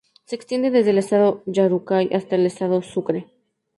Se extiende desde el estado Yaracuy hasta el estado Sucre.